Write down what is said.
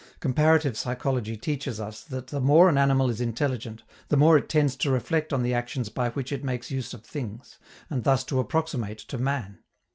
Comparative psychology teaches us that the more an animal is intelligent, the more it tends to reflect on the actions by which it makes use of things, and thus to approximate to man.